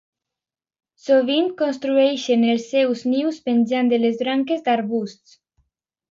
Sovint construeixen els seus nius penjant de les branques d'arbusts.